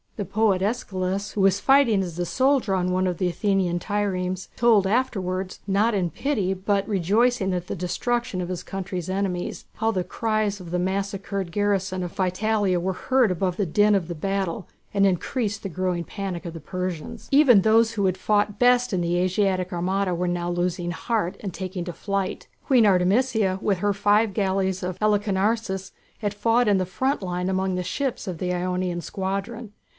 The poet Æschylus, who was fighting as a soldier on one of the Athenian triremes, told afterwards, not in pity, but rejoicing at the destruction of his country's enemies, how the cries of the massacred garrison of Psytalia were heard above the din of the battle and increased the growing panic of the Persians. Even those who had fought best in the Asiatic armada were now losing heart and taking to flight. Queen Artemisia, with her five galleys of Halicarnassus, had fought in the front line among the ships of the Ionian squadron.